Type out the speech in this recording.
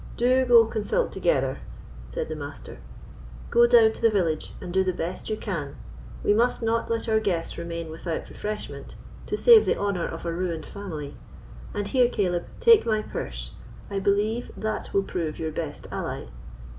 "Do go consult together," said the Master; "go down to the village, and do the best you can. We must not let our guests remain without refreshment, to save the honour of a ruined family. And here, Caleb, take my purse; I believe that will prove your best ally."